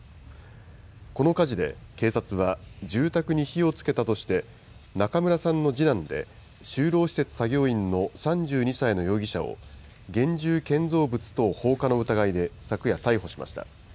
この火事で警察は、住宅に火をつけたとして、中村さんの次男で、就労施設作業員の３２歳の容疑者を現住建造物等放火の疑いで昨夜逮捕しました。